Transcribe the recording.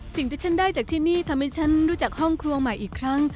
สิ่งที่ฉันได้จากที่นี่ทำให้ฉันรู้จักห้องครัวใหม่อีกครั้ง